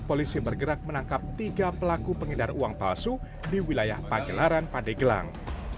polisi bergerak menangkap tiga pelaku pengedar uang palsu di wilayah pagelaran pandegelang